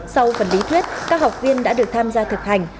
sau phần lý thuyết các học viên đã được tham gia thực hành